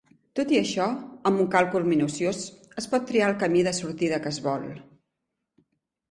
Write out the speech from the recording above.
Tot i això, amb un càlcul minuciós, es pot triar el "camí" de sortida que es vol.